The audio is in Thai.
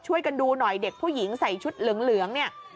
ช่วยกันดูหน่อยเด็กผู้หญิงใส่ชุดเหลืองเนี่ย